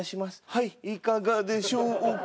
はいいかがでしょうか